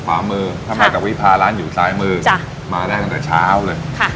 ขวามือถ้ามาจากวิพาร้านอยู่ซ้ายมือมาได้ตั้งแต่เช้าเลยค่ะ